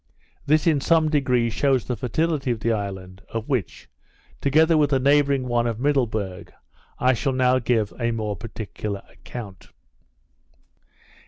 This in some degree shews the fertility of the island, of which, together with the neighbouring one of Middleburg, I shall now give a more particular account.